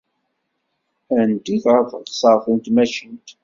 Ad neddut ɣer teɣsert n tmacint.